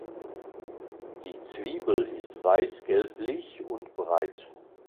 Die Zwiebel ist weiß-gelblich und breit.